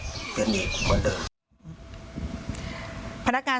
เป็นพี่เป็นน้องกันโตมาด้วยกันตั้งแต่แล้ว